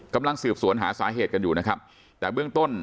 กำลังสืบสวนหาสาเหตุกันอยู่นะครับ